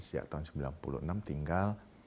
sejak tahun sembilan puluh enam tinggal